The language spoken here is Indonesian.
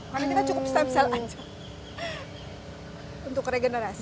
karena kita cukup stem cell aja untuk regenerasi